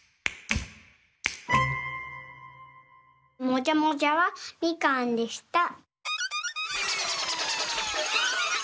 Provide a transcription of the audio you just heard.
もじゃもじゃはみかんでした。